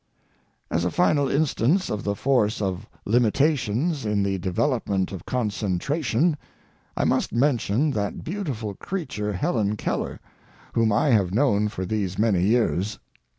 As a final instance of the force of limitations in the development of concentration, I must mention that beautiful creature, Helen Keller, whom I have known for these many years.